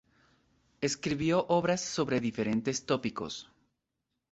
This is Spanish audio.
Escribió obras sobre diferentes tópicos.